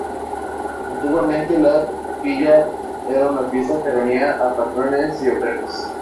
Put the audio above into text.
Antiguamente, la trilla era una fiesta que reunía a patrones y obreros.